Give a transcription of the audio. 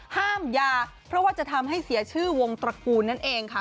ห้ามยาเพราะว่าจะทำให้เสียชื่อวงตระกูลนั่นเองค่ะ